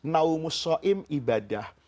naumus shohim ibadah